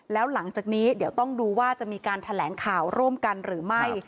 แล้วหลังจากนี้เดี๋ยวต้องดูว่าจะมีการแถลงข่าวร่วมกันหรือไม่